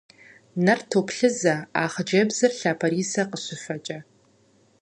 Нэр топлъызэ а хъыджбзыр лъапэрисэ къыщыфэкӏэ.